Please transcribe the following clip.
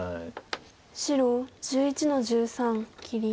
白１１の十三切り。